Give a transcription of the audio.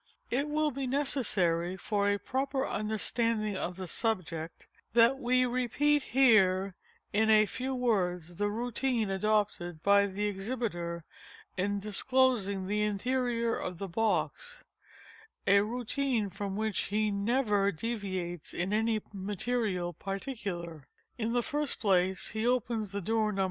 It will be necessary for a proper understanding of the subject, that we repeat here in a few words, the routine adopted by the exhibiter in disclosing the interior of the box—a routine from which he _never _deviates in any material particular. In the first place he opens the door No.